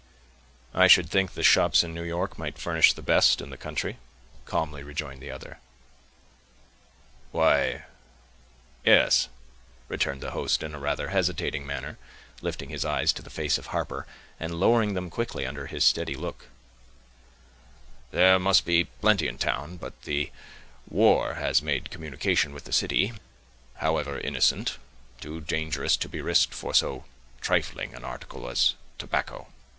"I should think the shops in New York might furnish the best in the country," calmly rejoined the other. "Why—yes," returned the host in rather a hesitating manner, lifting his eyes to the face of Harper, and lowering them quickly under his steady look, "there must be plenty in town; but the war has made communication with the city, however innocent, too dangerous to be risked for so trifling an article as tobacco."